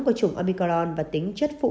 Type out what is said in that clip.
của chủng omicron và tính chất phụ